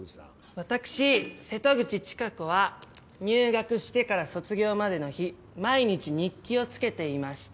わたくし瀬戸口千佳子は入学してから卒業までの日毎日日記をつけていまして。